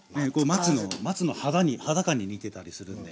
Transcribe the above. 松の肌感に似てたりするんで。